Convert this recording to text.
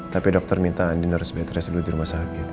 tapi dokter minta andin harus bekerja dulu di rumah sakit